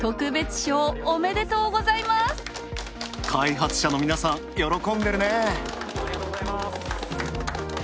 開発者の皆さん、喜んでるね。